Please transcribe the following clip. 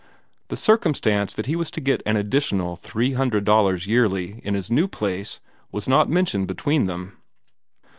The circumstance that he was to get an additional three hundred dollars yearly in his new place was not mentioned between them.